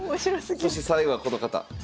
そして最後はこの方。